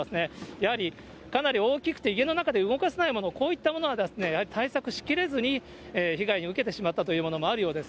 やはりかなり大きくて家の中で動かせないもの、こういったものは、やはり対策しきれずに、被害を受けてしまったというものもあるようです。